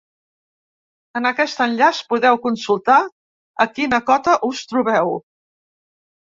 En aquest enllaç podeu consultar a quina cota us trobeu.